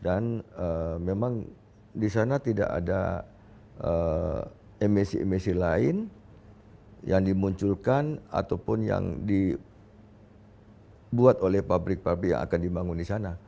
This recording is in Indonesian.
dan memang disana tidak ada emisi emisi lain yang dimunculkan ataupun yang dibuat oleh pabrik pabrik yang akan dibangun disana